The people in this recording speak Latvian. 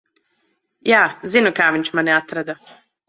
Jā, zinu, kā viņš mani atrada.